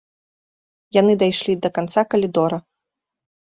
Яны дайшлі да канца калідора.